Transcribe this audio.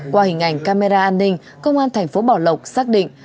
qua hình ảnh camera an ninh công an thành phố bảo lộc xác định